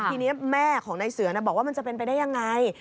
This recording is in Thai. ทีนี้แม่ของนายเสือบอกว่ามันจะเป็นไปได้ยังไง